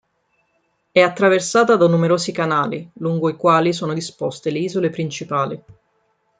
È attraversata da numerosi canali, lungo i quali sono disposte le isole principali.